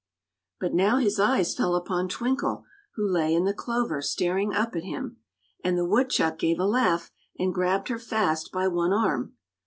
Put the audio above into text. But now his eyes fell upon Twinkle, who lay in the clover staring up at him; and the woodchuck gave a laugh and grabbed her fast by one arm.